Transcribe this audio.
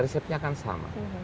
receptenya kan sama